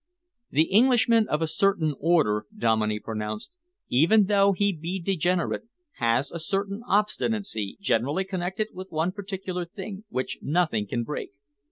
"The Englishman of a certain order," Dominey pronounced, "even though he be degenerate, has a certain obstinacy, generally connected with one particular thing, which nothing can break.